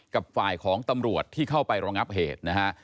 กับฝ่ายของตำรวจที่เข้าไปรองับเหตุนะฮะ